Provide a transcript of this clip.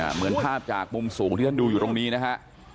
เหมือนภาพจากมุมสูงที่ท่านดูอยู่ตรงนี้นะฮะ